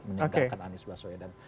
menyegarkan anies baswedan